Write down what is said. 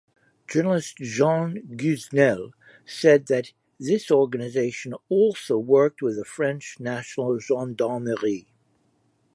Journalist Jean Guisnel said that this organization also worked with the French National Gendarmerie.